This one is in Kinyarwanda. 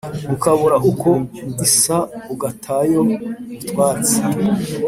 Ukabura ukwo isa ugatayo utwatsi!